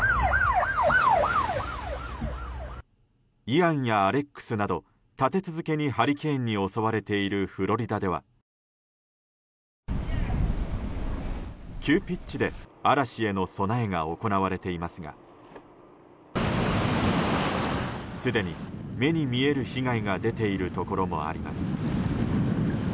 イアンやアレックスなど立て続けにハリケーンに襲われているフロリダでは、急ピッチで嵐への備えが行われていますがすでに目に見える被害が出ているところもあります。